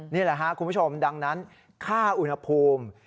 นี่แหละครับคุณผู้ชมดังนั้นค่าอุณหภูมิ